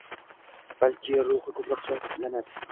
Balki ruhi koʼproq shodlanar